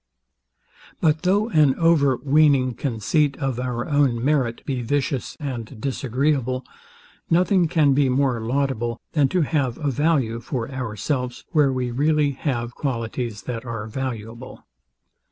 But though an over weaning conceit of our own merit be vicious and disagreeable, nothing can be more laudable, than to have a value for ourselves, where we really have qualities that are valuable.